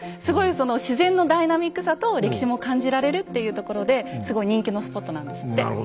すごいその自然のダイナミックさと歴史も感じられるっていうところですごい人気のスポットなんですって。